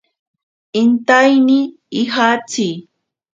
Intaina ijatsi.